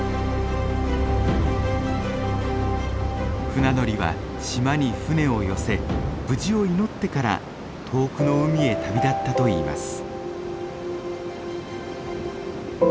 船乗りは島に船を寄せ無事を祈ってから遠くの海へ旅立ったといいます。